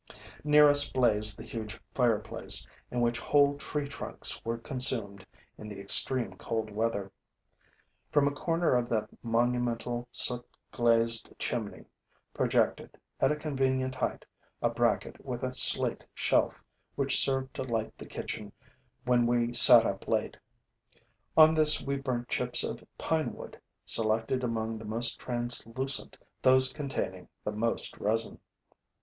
Near us blazed the huge fireplace, in which whole tree trunks were consumed in the extreme cold weather. From a corner of that monumental, soot glazed chimney, projected, at a convenient height, a bracket with a slate shelf, which served to light the kitchen when we sat up late. On this we burnt chips of pine wood, selected among the most translucent, those containing the most resin.